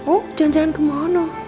oh jalan jalan ke mana